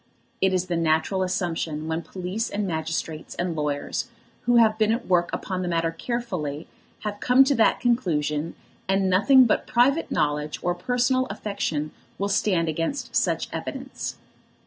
It is the natural assumption when the police and magistrates and lawyers, who have been at work upon the matter carefully, have come to that conclusion, and nothing but private knowledge or personal affection will stand against such evidence.